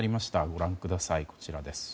ご覧ください。